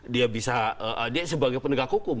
dia bisa dia sebagai penegak hukum